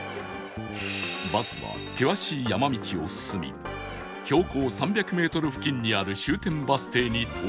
バスは険しい山道を進み標高３００メートル付近にある終点バス停に到着